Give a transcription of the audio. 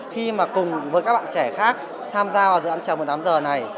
khi mà cùng với các bạn trẻ khác tham gia vào dự án trèo bốn mươi tám h này